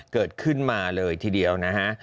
เกิดขึ้นมาเลยทีเดียวนะฮะ